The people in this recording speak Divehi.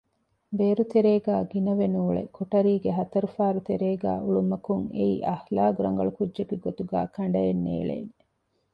ބޭރުތެރޭގައި ގިނަވެ ނޫޅެ ކޮޓަރީގެ ހަތަރު ފާރުތެރޭގައި އުޅުމަކުން އެއީ އަޚްލާޤްރަނގަޅު ކުއްޖެއްގެ ގޮތުގައި ކަނޑައެއް ނޭޅޭނެ